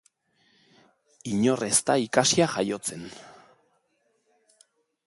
Inor ez da ikasia jaiotzen.